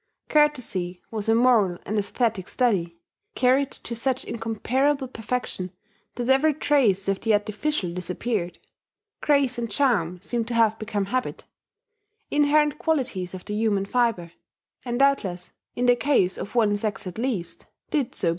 Courtesy was a moral and aesthetic study, carried to such incomparable perfection that every trace of the artificial disappeared. Grace and charm seemed to have become habit, inherent qualities of the human fibre, and doubtless, in the case of one sex at least, did so become.